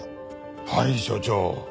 はい署長。